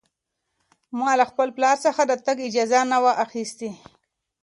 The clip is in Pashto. ما له خپل پلار څخه د تګ اجازه نه وه اخیستې.